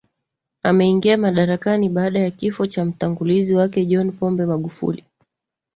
Ameingia madarakani baada ya kifo cha mtangulizi wake John Pombe Magufuli